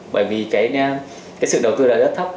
bởi vì cái sự đầu tư là rất thấp